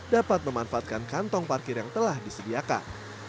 dapat memanfaatkan kantong parkir yang telah disediakan